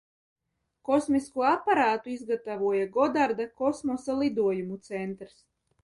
Kosmisko aparātu izgatavoja Godarda Kosmosa lidojumu centrs.